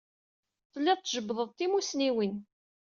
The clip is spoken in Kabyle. Telliḍ tjebbdeḍ-d timussniwin.